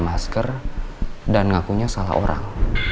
masker dan ngakunya salah orang